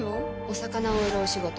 お魚を売るお仕事